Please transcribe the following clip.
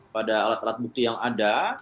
pada alat alat bukti yang ada